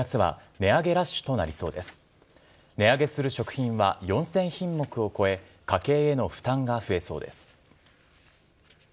値上げする食品は４０００品目を超え、家計への負担が増えそうです。